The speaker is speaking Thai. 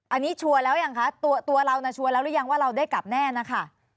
อันนี้ชัวร์แล้วยังคะตัวเราชัวร์แล้วหรือยังว่าเราได้กลับแน่นะคะ